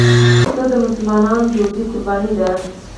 پسه د مسلمانانو دودي قرباني ده.